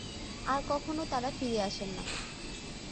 আর কখনো তারা ফিরে আসেন না।